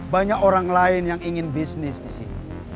banyak orang lain yang ingin bisnis disini